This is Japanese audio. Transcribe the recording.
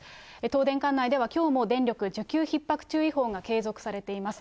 東電管内では、きょうも電力需給ひっ迫注意報が継続されています。